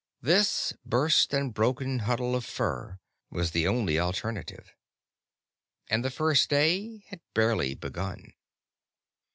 This burst and broken huddle of fur was the only alternative. And the first day had barely begun.